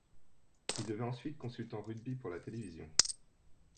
Il devient ensuite consultant rugby pour la télévision.